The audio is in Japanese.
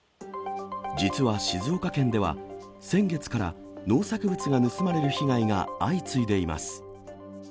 実は静岡県では、先月から農作物が盗まれる被害が相次いでいます。